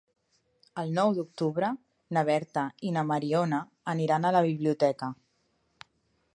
El nou d'octubre na Berta i na Mariona aniran a la biblioteca.